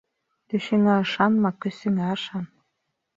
Төшөңә ышанма, көсөңә ышан.